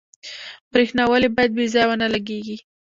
برښنا ولې باید بې ځایه ونه لګیږي؟